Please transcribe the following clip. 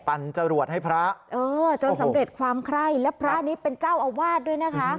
จรวดให้พระเออจนสำเร็จความไคร้และพระนี้เป็นเจ้าอาวาสด้วยนะคะ